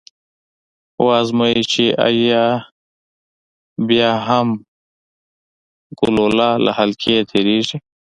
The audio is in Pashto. و ازمايئ چې ایا بیا هم ګلوله له حلقې تیریږي؟